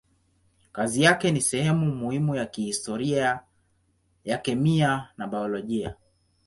Kazi yake ni sehemu muhimu ya historia ya kemia na biolojia.